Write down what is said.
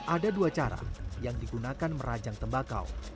ada dua cara yang digunakan merajang tembakau